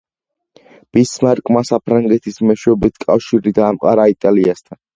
ბისმარკმა საფრანგეთის მეშვეობით კავშირი დაამყარა იტალიასთან.